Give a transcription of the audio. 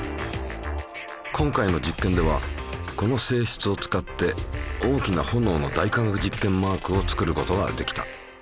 今回の実験ではこの性質を使って大きな炎の「大科学実験」マークを作ることができた。